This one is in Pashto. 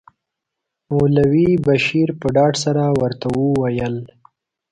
مولوي بشیر په ډاډ سره ورته وویل.